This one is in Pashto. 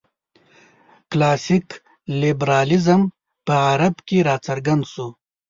کلاسیک لېبرالېزم په غرب کې راڅرګند شو.